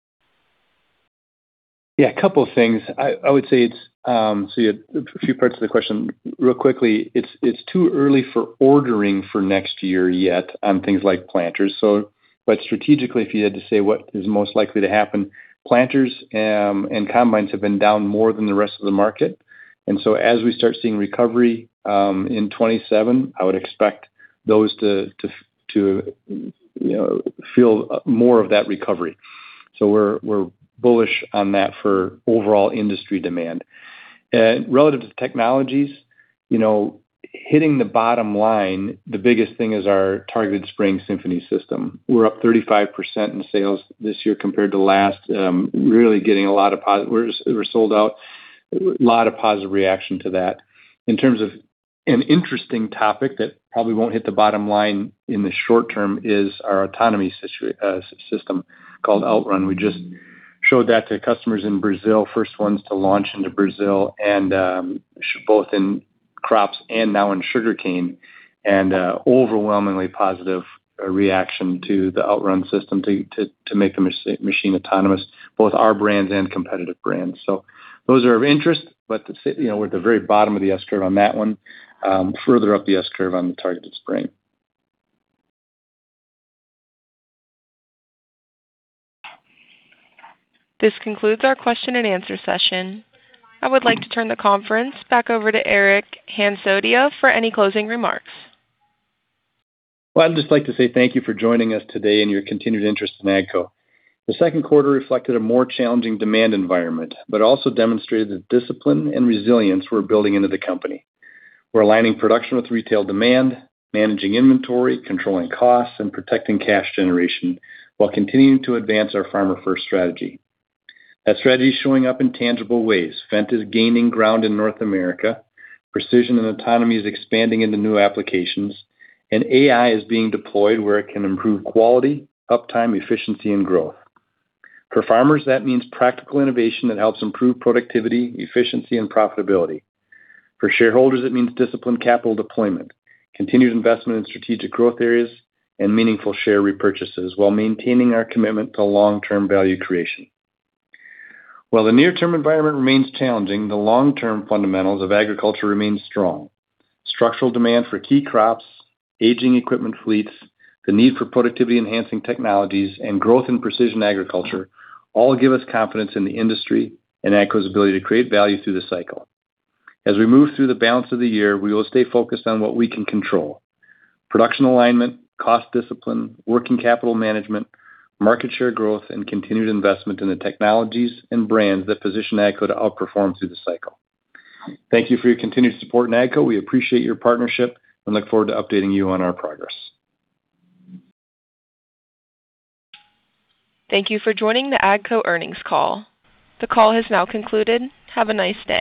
a couple of things. I would say it's a few parts of the question. Real quickly, it's too early for ordering for next year yet on things like planters. Strategically, if you had to say what is most likely to happen, planters and combines have been down more than the rest of the market. As we start seeing recovery in 2027, I would expect those to feel more of that recovery. We're bullish on that for overall industry demand. Relative to technologies, hitting the bottom line, the biggest thing is our targeted spraying SymphonyVision system. We're up 35% in sales this year compared to last. We're sold out. A lot of positive reaction to that. In terms of an interesting topic that probably won't hit the bottom line in the short term is our autonomy system called OutRun. We just showed that to customers in Brazil, first ones to launch into Brazil, both in crops and now in sugarcane, and overwhelmingly positive reaction to the OutRun system to make the machine autonomous, both our brands and competitive brands. Those are of interest, but we're at the very bottom of the S-curve on that one. Further up the S-curve on the targeted spraying. This concludes our question and answer session. I would like to turn the conference back over to Eric Hansotia for any closing remarks. Well, I'd just like to say thank you for joining us today and your continued interest in AGCO. The second quarter reflected a more challenging demand environment, but also demonstrated that discipline and resilience we're building into the company. We're aligning production with retail demand, managing inventory, controlling costs, and protecting cash generation while continuing to advance our Farmer-First strategy. That strategy is showing up in tangible ways. Fendt is gaining ground in North America. Precision and autonomy is expanding into new applications, and AI is being deployed where it can improve quality, uptime, efficiency, and growth. For farmers, that means practical innovation that helps improve productivity, efficiency, and profitability. For shareholders, it means disciplined capital deployment, continued investment in strategic growth areas, and meaningful share repurchases while maintaining our commitment to long-term value creation. While the near-term environment remains challenging, the long-term fundamentals of agriculture remain strong. Structural demand for key crops, aging equipment fleets, the need for productivity-enhancing technologies, and growth in precision agriculture all give us confidence in the industry and AGCO's ability to create value through this cycle. As we move through the balance of the year, we will stay focused on what we can control: production alignment, cost discipline, working capital management, market share growth, and continued investment in the technologies and brands that position AGCO to outperform through the cycle. Thank you for your continued support in AGCO. We appreciate your partnership and look forward to updating you on our progress. Thank you for joining the AGCO earnings call. The call has now concluded. Have a nice day.